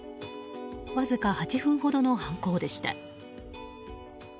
わずか８分ほどの犯行でした。